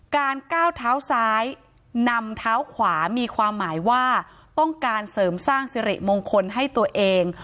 ก้าวเท้าซ้ายนำเท้าขวามีความหมายว่าต้องการเสริมสร้างสิริมงคลให้ตัวเอง